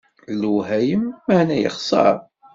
D lwehayem, meɛna yexser.